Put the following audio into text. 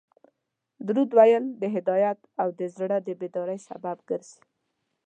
درود ویل د هدایت او د زړه د بیداري سبب ګرځي